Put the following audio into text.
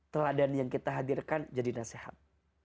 teladan yang kita hadirkan jadi nasihat